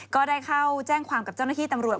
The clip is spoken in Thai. ก็ได้เข้าแจ้งความกับเจ้าหน้าที่ตำรวจ